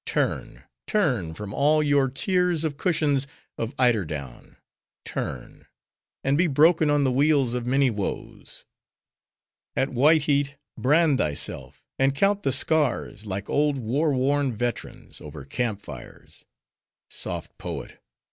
Turn! turn! from all your tiers of cushions of eider down—turn! and be broken on the wheels of many woes. At white heat, brand thyself; and count the scars, like old war worn veterans, over camp fires. Soft poet!